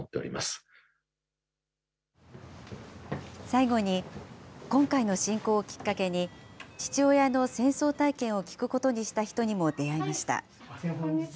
最後に、今回の侵攻をきっかけに、父親の戦争体験を聞くことにした人にも出会いました。